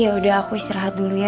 ya udah aku istirahat dulu ya